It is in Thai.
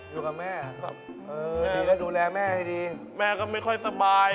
อยู่กับแม่ก็ดูแลแม่ให้ดีแม่ก็ไม่ค่อยสบาย